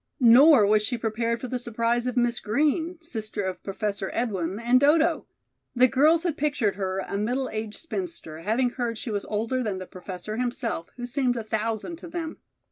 Nor was she prepared for the surprise of Miss Green, sister of Professor Edwin and Dodo. The girls had pictured her a middle aged spinster, having heard she was older than the Professor himself, who seemed a thousand to them.